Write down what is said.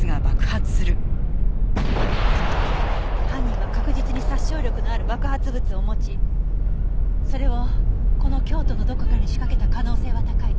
犯人は確実に殺傷力のある爆発物を持ちそれをこの京都のどこかに仕掛けた可能性は高い。